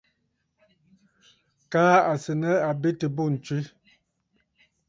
Kaa à sɨ̀ nɨ̂ àbetə̀ bû ǹtswe.